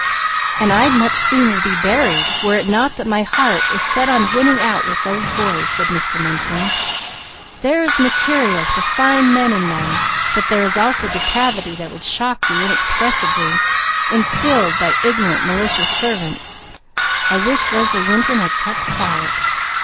"And I'd much sooner be buried, were it not that my heart is set on winning out with those boys," said Mr. Minturn. "There is material for fine men in them, but there is also depravity that would shock you inexpressibly, instilled by ignorant, malicious servants. I wish Leslie Winton had kept quiet."